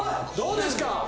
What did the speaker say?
どうですか？